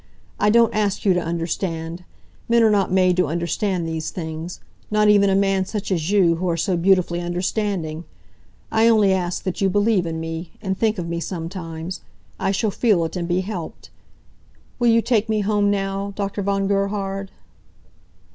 I don't ask you to understand. Men are not made to understand these things; not even a man such as you, who are so beautifully understanding. I only ask that you believe in me and think of me sometimes I shall feel it, and be helped. Will you take me home now, Dr. von Gerhard?"